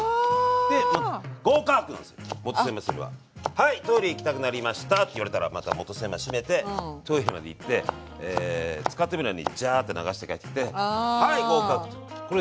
「はいトイレ行きたくなりました」って言われたらまた元栓まで閉めてトイレまで行って使ってもいないのにジャーッて流して帰ってきてはい合格！っていうこれです。